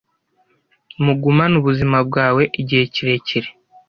Mugumane ubuzima bwawe igihe kirekire